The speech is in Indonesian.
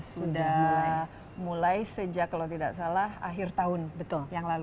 sudah mulai sejak kalau tidak salah akhir tahun yang lalu